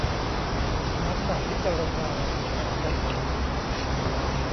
น้ำหนักพิจารณาต่างกันไหม